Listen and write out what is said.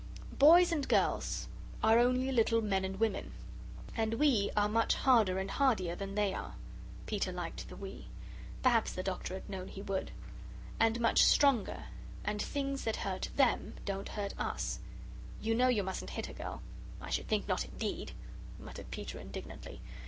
Boys and girls are only little men and women. And WE are much harder and hardier than they are " (Peter liked the "we." Perhaps the Doctor had known he would.) "and much stronger, and things that hurt THEM don't hurt US. You know you mustn't hit a girl " "I should think not, indeed," muttered Peter, indignantly.